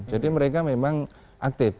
jadi mereka memang aktif